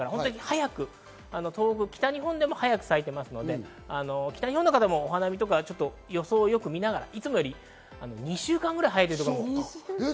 東北、北日本でも早く咲いていますので、お花見とか予想をよく見ながら、いつもより２週間ぐらい早いところもあります。